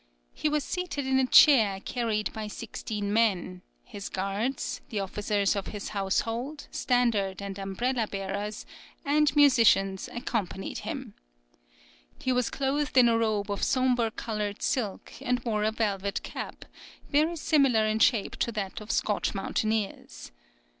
He was seated in a chair carried by sixteen men; his guards, the officers of his household, standard and umbrella bearers, and musicians accompanied him. He was clothed in a robe of sombre coloured silk, and wore a velvet cap, very similar in shape to that of Scotch mountaineers.